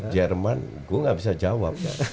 jerman gue gak bisa jawab